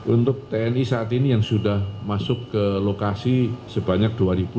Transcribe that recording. untuk tni saat ini yang sudah masuk ke lokasi sebanyak dua delapan ratus tujuh puluh tiga